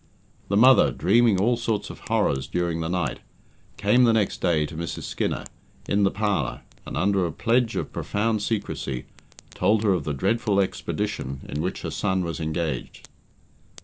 The mother, dreaming all sorts of horrors during the night, came the next day to Mrs. Skinner, in the parlour, and, under a pledge of profound secrecy, told her of the dreadful expedition in which her son was engaged.